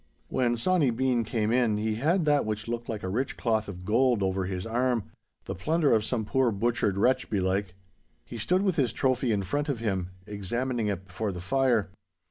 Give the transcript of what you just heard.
When Sawny Bean came in, he had that which looked like a rich cloth of gold over his arm—the plunder of some poor butchered wretch, belike. He stood with this trophy in front of him, examining it before the fire.